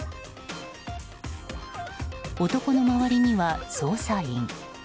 男の周りには、捜査員。